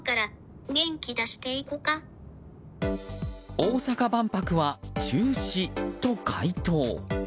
大阪万博は中止と回答。